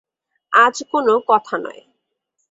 আজ কোনো কথা নয়।